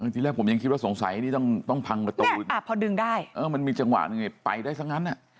ที่แรกผมยังคิดว่าสงสัยนี่ต้องพังประตูพอดึงได้มันมีจังหวะหนึ่งนี่ไปได้ซะงั้น